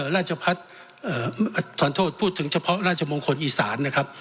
ราชพัฒน์ถอนโทษพูดถึงเฉพาะราชมงคลอีสานนะครับ